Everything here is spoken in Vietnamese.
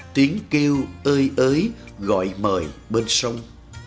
tiếng kêu ơi ới gọi mời bên sông